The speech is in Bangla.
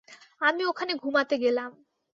আমি ওখানে ঘুমাতে গেলাম।